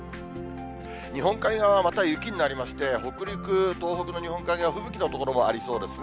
日本海側は、また雪になりまして、北陸、東北の日本海側、吹雪の所もありそうですね。